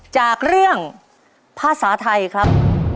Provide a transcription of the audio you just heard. จากเรื่องภาษาไทยครับ